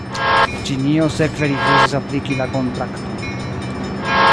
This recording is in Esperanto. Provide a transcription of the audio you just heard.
Ĉinio sekve rifuzis apliki la kontrakton.